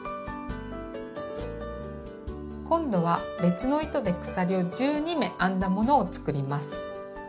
今度は別の糸で鎖を１２目編んだものを作ります。